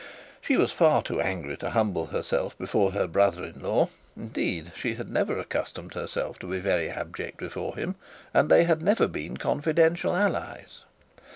She was far too angry to humble herself before her brother in law. Indeed, she had never accustomed herself to be very abject before him, and they had never been confidential allies.